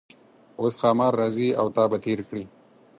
اوس ښامار راځي او تا به تیر کړي.